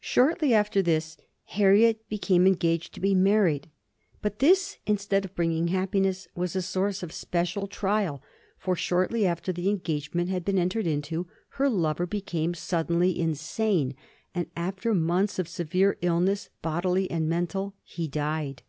Shortly after this Harriet became engaged to be married; but this, instead of bringing happiness, was a source of special trial; for shortly after the engagement had been entered into, her lover became suddenly insane, and after months of severe illness, bodily and mental, he died.